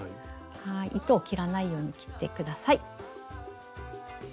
糸を切らないように切って下さい。